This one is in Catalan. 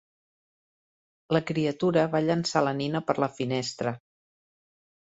La criatura va llençar la nina per la finestra.